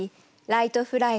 「ライトフライ」